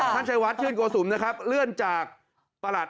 ท่านชายวัดเชื่อนโกสุมเลื่อนจากประหลัก